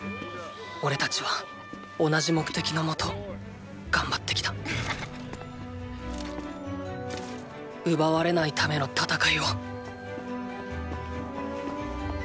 おれたちは同じ目的のもと頑張ってきた奪われないための戦いを？